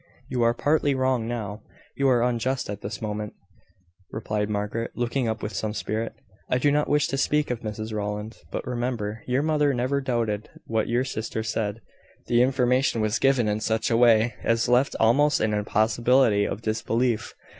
"You are partly wrong now; you are unjust at this moment," replied Margaret, looking up with some spirit. "I do not wish to speak of Mrs Rowland but remember, your mother never doubted what your sister said; the information was given in such a way as left almost an impossibility of disbelief.